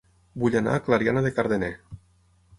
Vull anar a Clariana de Cardener